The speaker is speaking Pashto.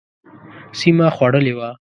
سیمه خوړلې وه.